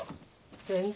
全然。